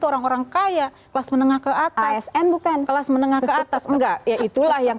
orang orang kaya kelas menengah ke atas n bukan kelas menengah ke atas enggak ya itulah yang